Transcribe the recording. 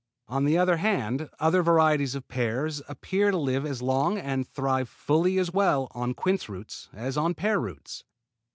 On the other hand other varieties of pears appear to live as long and thrive fully as well on quince roots as on pear roots.